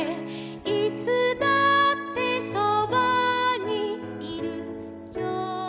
「いつだってそばにいるよ」